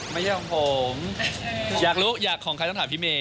ไม่ใช่ของผมอยากรู้อยากของใครต้องถามพี่เมย